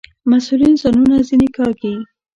مسئولین ځانونه ځنې کاږي.